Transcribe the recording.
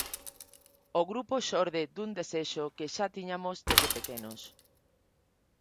O grupo xorde dun desexo que xa tiñamos desde pequenos.